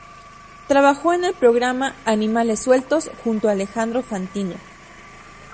Trabajó en el programa "Animales Sueltos" junto a Alejandro Fantino.